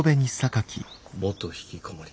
元ひきこもり。